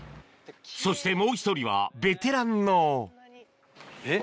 そしてもう１人はベテランのえっ？